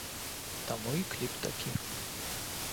Таму і кліп такі.